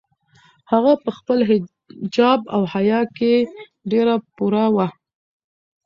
هغه په خپل حجاب او حیا کې ډېره پوره وه.